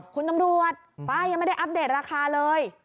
คุณตำรวจป้ายังไม่ได้อัปเดตราคาเลย